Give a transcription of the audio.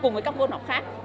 cùng với các môn học khác